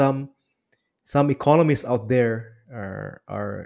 ada beberapa ekonomis di luar sana